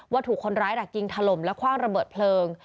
ถูกคนร้ายดักยิงถล่มและคว่างระเบิดเพลิง